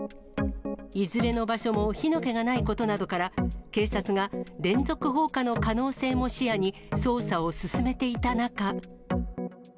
いずれの場所も火の気がないことなどから、警察が連続放火の可能性も視野に、捜査を進めていた中。